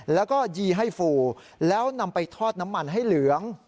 แล้วก็ยีให้ฟูแล้วนำไปทอดน้ำมันให้เหลือง